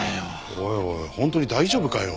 おいおいホントに大丈夫かよ？